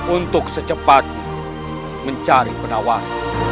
untuk secepatnya mencari penawar